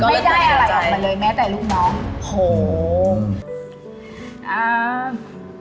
ไม่ได้อะไรออกมาเลยแม้แต่ลูกน้องผมอ่า